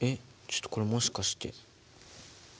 ちょっとこれもしかして。